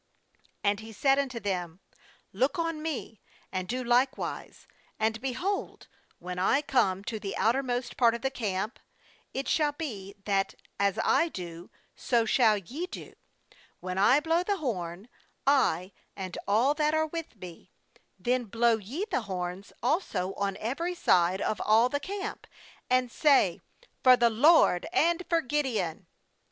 17And he said unto them: 'Look on me, and do likewise; and, behold, when I come to the outermost part of the camp, it shall be that, as I do, so shall ye do. 18When I blow the horn, I and all that are with me, then blow ye the horns also on every side of all the camp, and say : For the LOED and for Gideon !'